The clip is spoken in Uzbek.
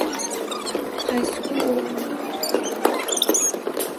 Qaysi kun o'g'lingning xatosini aytding?